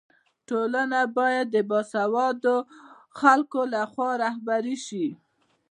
ټولنه باید د باسواده خلکو لخوا رهبري سي.